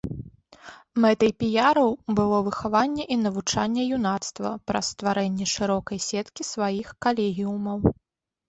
Мэтай піяраў было выхаванне і навучанне юнацтва праз стварэнне шырокай сеткі сваіх калегіумаў.